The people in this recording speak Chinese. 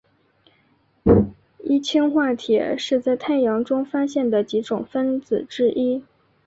一氢化铁是在太阳中发现的几种分子之一。